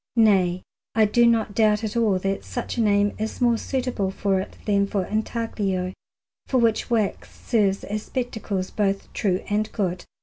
Nay, I do not doubt at all that such a name is more suitable for it than for intaglio, for which wax serves as spectacles both true and good.